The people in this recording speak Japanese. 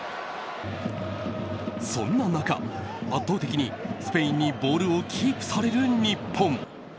そんな中、圧倒的にスペインにボールをキープされる日本。